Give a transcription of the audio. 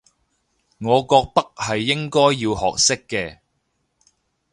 我覺得係應該要學識嘅